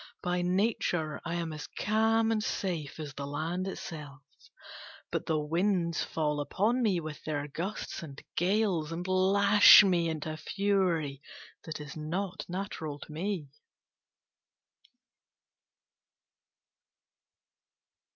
By nature I am as calm and safe as the land itself: but the Winds fall upon me with their gusts and gales, and lash me into a fury that is not natural to me."